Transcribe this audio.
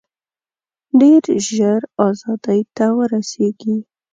ډېر ژر آزادۍ ته ورسیږي.